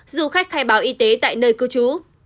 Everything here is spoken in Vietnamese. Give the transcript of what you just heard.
du khách khai báo y tế tại nơi cư trú